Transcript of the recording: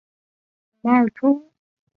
马尔托。